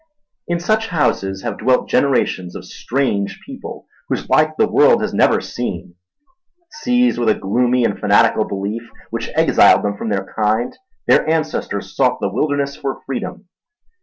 In such houses have dwelt generations of strange people, whose like the world has never seen. Seized with a gloomy and fanatical belief which exiled them from their kind, their ancestors sought the wilderness for freedom.